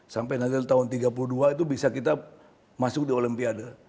sampai nanti tahun tiga puluh dua itu bisa kita masuk di olimpiade